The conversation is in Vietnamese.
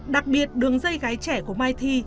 đặc biệt đường dây gái trẻ của mai thi